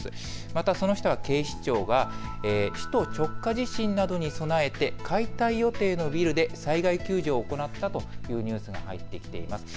またその下は警視庁が首都直下地震などに備えて解体予定のビルで災害救助を行ったというニュースが入ってきています。